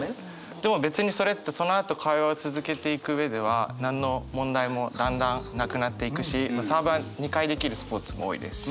でも別にそれってそのあと会話を続けていく上では何の問題もだんだんなくなっていくしサーブは２回できるスポーツも多いですし。